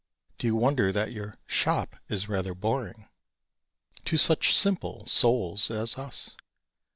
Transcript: Do you wonder that your "shop" is rather boring To such simple souls as us?